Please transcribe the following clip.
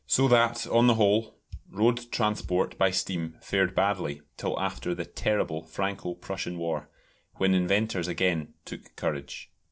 So that, on the whole, road transport by steam fared badly till after the terrible Franco Prussian war, when inventors again took courage.